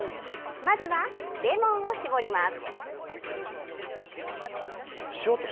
まずはレモンを絞ります。